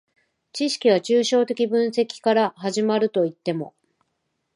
知識は抽象的分析から始まるといっても、